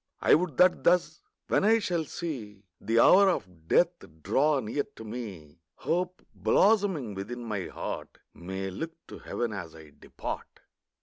I would that thus, when I shall see The hour of death draw near to me, Hope, blossoming within my heart, May look to heaven as I depart.